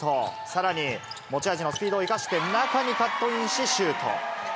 さらに、持ち味のスピードを生かして、中にカットインし、シュート。